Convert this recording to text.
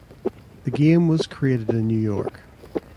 The game was created in New York.